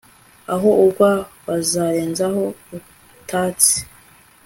Aho ugwa bazarenzaho utatsi